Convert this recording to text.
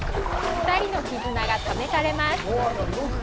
２人の絆が試されます！